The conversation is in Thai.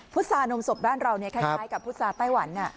ผุทธซานมสดด้านเราเนี่ยคล้ายกับผุทธซาไต้หวันอ่ะ